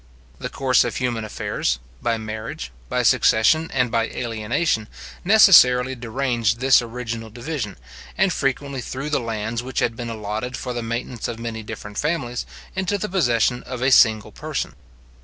The course of human affairs, by marriage, by succession, and by alienation, necessarily deranged this original division, and frequently threw the lands which had been allotted for the maintenance of many different families, into the possession of a single person.